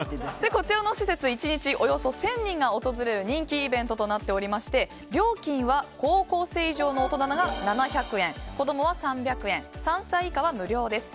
こちらの施設１日およそ１０００人が訪れる人気イベントとなっておりまして料金は高校生以上の大人なら７００円子供は３００円３歳以下は無料です。